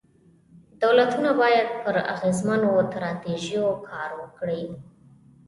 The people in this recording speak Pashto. دولتونه باید پر اغېزمنو ستراتیژیو کار وکړي.